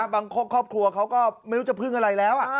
ครอบครัวเขาก็ไม่รู้จะพึ่งอะไรแล้ว